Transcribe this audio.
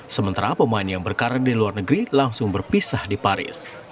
sementara pemain yang berkarir di luar negeri langsung berpisah di paris